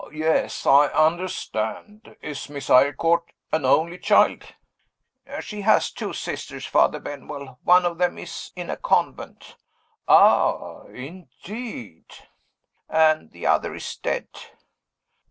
"Yes; I understand. Is Miss Eyrecourt an only child?" "She had two sisters, Father Benwell. One of them is in a convent." "Ah, indeed?" "And the other is dead."